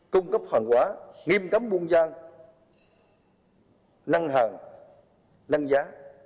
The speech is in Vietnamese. cung cấp hàng hóa nghiêm cấm buôn gian năng hàng năng giá